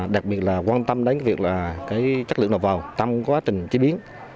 đặc biệt là quan tâm đến cái việc là cái chất lượng nó vào trong quá trình chế biến